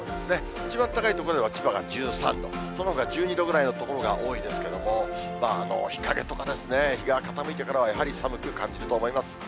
一番高い所では千葉で１３度、そのほか１２度ぐらいの所が多いですけれども、日陰とか、日が傾いてからはやはり寒く感じると思います。